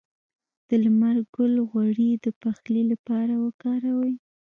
د لمر ګل غوړي د پخلي لپاره وکاروئ